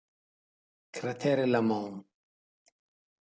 Cratere Lamont